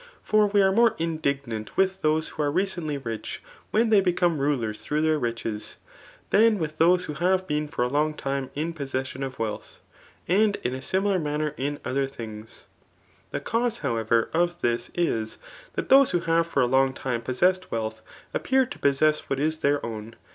For we. are more indignant with thoae ivho are recently rich ^en they become rulers through their riches, than with those who have been for. a long time in possession of wealth ; and in a similar manner in other dmigs. The cause,, howotrer, x>f this is, that those who have for a long time possessed wealth, appear to possess what .s their own